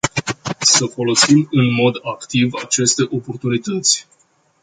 Să folosim în mod activ aceste oportunități.